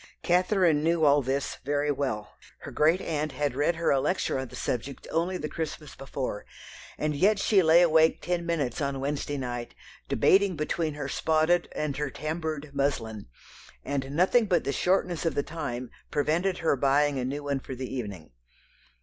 Catherine knew all this very well; her great aunt had read her a lecture on the subject only the Christmas before; and yet she lay awake ten minutes on Wednesday night debating between her spotted and her tamboured muslin; and nothing but the shortness of the time prevented her buying a new one for the evening.